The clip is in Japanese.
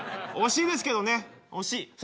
惜しいですけどね惜しい。